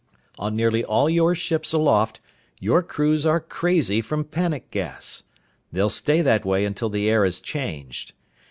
"On nearly all your ships aloft your crews are crazy from panic gas. They'll stay that way until the air is changed.